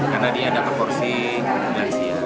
karena dia dapat porsi lansia